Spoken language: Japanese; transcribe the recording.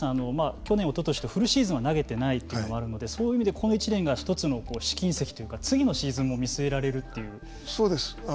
去年おととしとフルシーズンは投げてないというのはあるのでそういう意味で１つの試金石というか次のシーズンも見据えられるという。